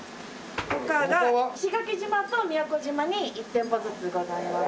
他が石垣島と宮古島に１店舗ずつございます。